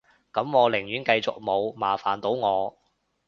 噉我寧願繼續冇，麻煩到我